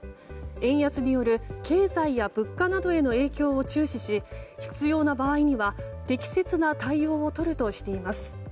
円安による経済や物価などへの影響を注視し必要な場合には適切な対応をとるとしています。